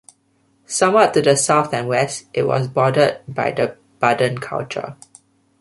Somewhat to the south and west, it was bordered by the Baden culture.